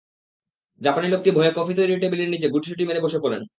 জাপানি লোকটি ভয়ে কফি তৈরির টেবিলের নিচে গুটিসুটি মেরে বসে পড়েন।